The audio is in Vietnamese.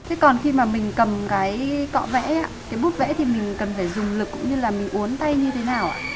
thế còn khi mà mình cầm cái cọ vẽ cái bút vẽ thì mình cần phải dùng lực cũng như là mình uốn tay như thế nào ạ